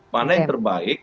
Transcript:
mana yang terbaik